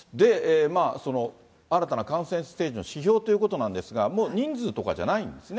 新たな感染ステージの指標ということなんですが、もう人数とかじゃないんですね。